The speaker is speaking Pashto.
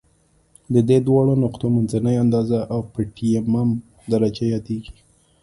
د دې دواړو نقطو منځنۍ اندازه اؤپټیمم درجه یادیږي.